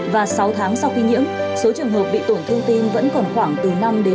và sáu tháng sau khi nhiễm số trường hợp bị tổn thương tim vẫn còn khoảng từ năm chín